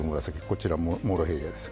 こちらモロヘイヤです。